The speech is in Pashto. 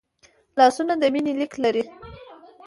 لاسونه د مینې لیک لري